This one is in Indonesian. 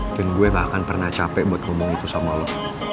dan gue gak akan pernah capek buat ngomong itu sama lo